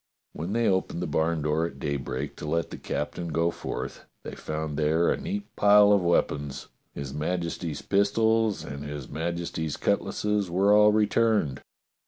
When they opened the barn door at daybreak to let the captain go forth, they found there a neat pile of weapons: his Majesty's pistols and his Majesty's cut lasses were all returned.